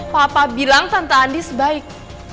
papa bilang tante andi sebaik